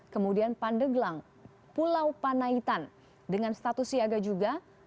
kemudian pandeglang pulau panaitan dengan status siaga juga